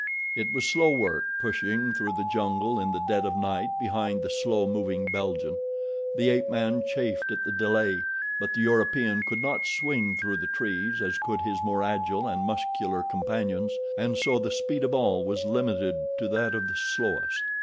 It was slow work pushing through the jungle in the dead of night behind the slow moving Belgian. The ape man chafed at the delay, but the European could not swing through the trees as could his more agile and muscular companions, and so the speed of all was limited to that of the slowest.